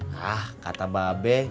hah kata babek